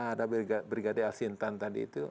ada brigade asintan tadi itu